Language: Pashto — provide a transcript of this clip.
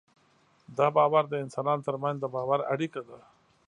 دا باور د انسانانو تر منځ د باور اړیکه ده.